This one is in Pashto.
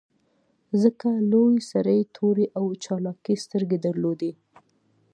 ځکه لوی سړي تورې او چالاکې سترګې درلودې